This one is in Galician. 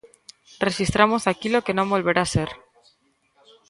Rexistramos aquilo que non volverá ser.